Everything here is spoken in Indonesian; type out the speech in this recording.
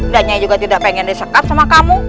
dan nyai juga tidak ingin disekap sama kamu